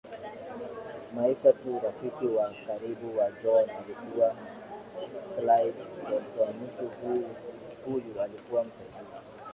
maisha tu rafiki wa karibu wa John alikuwa Klayd TolsonMtu huyu alikuwa msaidizi